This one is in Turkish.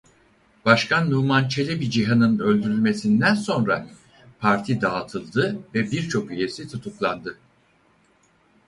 Başkan Numan Çelebi Cihan'ın öldürülmesinden sonra parti dağıtıldı ve birçok üyesi tutuklandı.